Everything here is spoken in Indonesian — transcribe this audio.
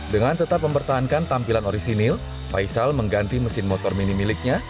dengan tetap mempertahankan tampilan orisinil faisal mengganti mesin motor mini miliknya